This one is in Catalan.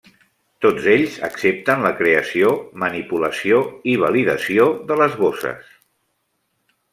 Tots ells accepten la creació, manipulació i validació de les bosses.